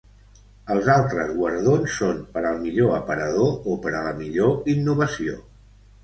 Els altres guardons són per al millor aparador o per a la millor innovació.